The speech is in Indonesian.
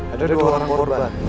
ada dua orang korban